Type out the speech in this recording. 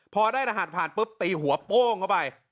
พอได้รหัสผ่านปุ๊บตีหัวโป้งเข้าไป